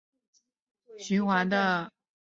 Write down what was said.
四行程循环内燃机中大多都是四冲程循环的。